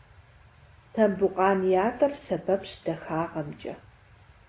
Тамбукъан ятӏэр сэбэпщ дахагъэмкӏэ.